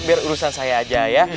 biar urusan saya aja ya